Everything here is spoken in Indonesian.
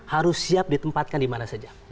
harus siap ditempatkan dimana saja